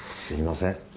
すみません